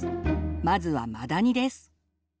まずはマダニです。